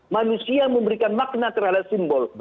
manusia memberikan makna terhadap simbol